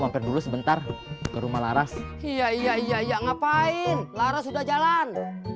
mampir dulu sebentar ke rumah laras iya iya iya ngapain laras sudah jalan